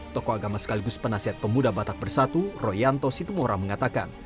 tokoh agama sekaligus penasihat pemuda batak bersatu royanto situmora mengatakan